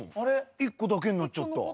１個だけになっちゃった。